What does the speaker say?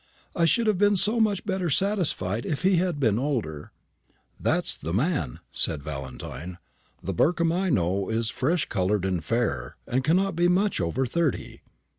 I should have been so much better satisfied if he had been older." "That is the man," said Valentine. "The Burkham I know is fresh coloured and fair, and cannot be much over thirty."